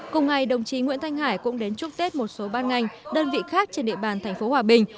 cùng ngày đồng chí nguyễn thanh hải cũng đến chúc tết một số ban ngành đơn vị khác trên địa bàn thành phố hòa bình